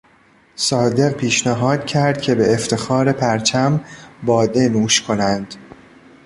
صادق پیشنهاد کرد که به افتخار پرچم بادهنوش کنند.